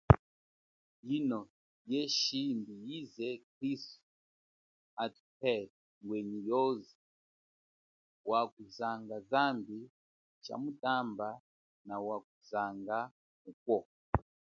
Yino ye shimbi yize kristu atuhele ngwenyi yoze wakuzanga zambi chamutamba nawa kuzanga mukwo.